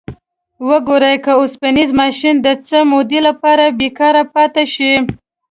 وګورئ که اوسپنیز ماشین د څه مودې لپاره بیکاره پاتې شي.